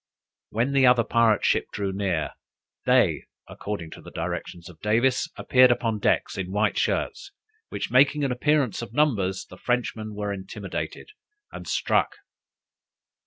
When the other pirate ship drew near, they, according to the directions of Davis, appeared upon deck in white shirts, which making an appearance of numbers, the Frenchman was intimidated, and struck.